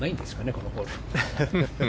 このホール。